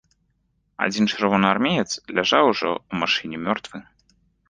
Адзін чырвонаармеец ляжаў ужо ў машыне мёртвы.